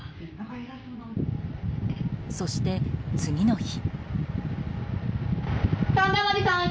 そして次の日。